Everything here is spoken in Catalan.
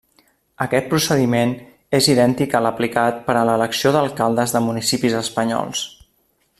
Aquest procediment és idèntic a l'aplicat per a l'elecció d'alcaldes de municipis espanyols.